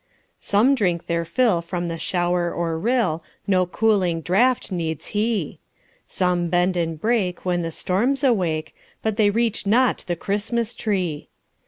Some drink their fill from the shower or rill; No cooling draught needs he; Some bend and break when the storms awake, But they reach not the Christmas tree.